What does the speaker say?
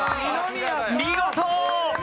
見事！